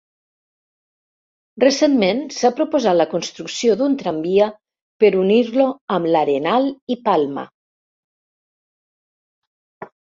Recentment, s'ha proposat la construcció d'un tramvia per unir-lo amb l'Arenal i Palma.